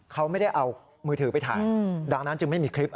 ผมไม่ได้ตั้งใจครับ